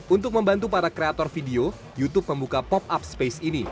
untuk membantu para kreator video youtube membuka pop up space ini